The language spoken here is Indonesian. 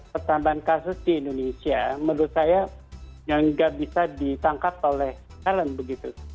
pertambahan kasus di indonesia menurut saya tidak bisa ditangkap oleh keren begitu